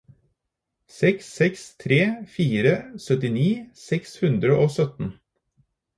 seks seks tre fire syttini seks hundre og sytten